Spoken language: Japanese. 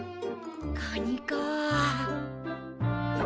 カニかあ。